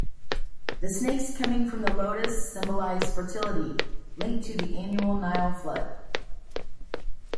The snakes coming from the lotus symbolize fertility, linked to the annual Nile flood.